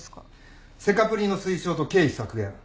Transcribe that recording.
セカプリの推奨と経費削減。